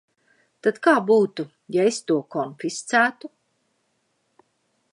Tad kā būtu, ja es to konfiscētu?